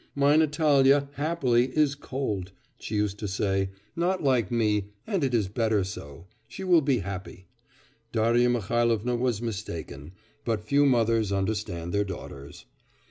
'My Natalya happily is cold,' she used to say, 'not like me and it is better so. She will be happy.' Darya Mihailovna was mistaken. But few mothers understand their daughters.